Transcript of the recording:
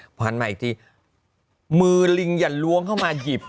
หันมาอีกทีมือลิงอย่าล้วงเข้ามาหยิบ